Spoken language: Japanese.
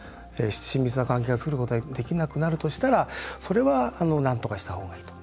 親密な関係が作ることができなくなるとしたらそれはなんとかした方がいいと。